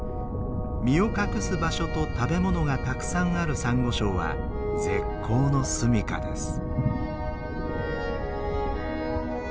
身を隠す場所と食べ物がたくさんあるサンゴ礁は絶好のすみかです。